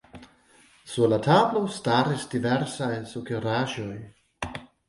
Sur la tablo staris diversaj sukeraĵoj.